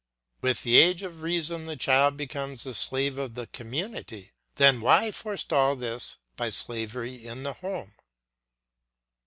With the age of reason the child becomes the slave of the community; then why forestall this by slavery in the home?